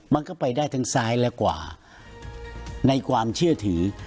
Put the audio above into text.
มันก็ไปได้ทั้งซ้ายและขวาในความเชื่อถือ